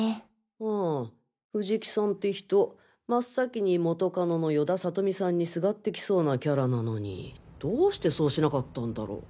ああ藤木さんって人真っ先に元カノの与田理美さんにすがってきそうなキャラなのにどうしてそうしなかったんだろう。